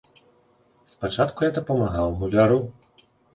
Спачатку я дапамагаў муляру.